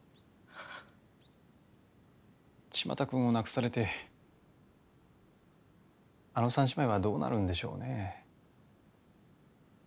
千万太君を亡くされてあの３姉妹はどうなるんでしょうね。